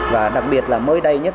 và đặc biệt là mới đây nhất